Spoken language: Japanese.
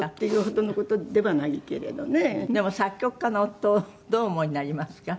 でも作曲家の夫をどうお思いになりますか？